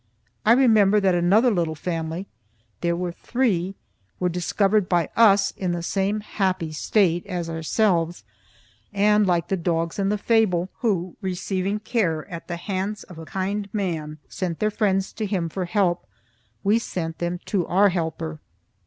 I remember that another little family there were three were discovered by us in the same happy state as ourselves, and like the dogs in the fable, who, receiving care at the hands of a kind man, sent their friends to him for help, we sent them to our helper.